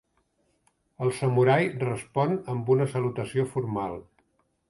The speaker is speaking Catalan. El samurai respon amb una salutació formal.